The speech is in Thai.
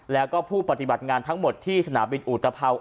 และผู้ปฏิบัติงานทั้งหมดที่สนามบินอุตพาว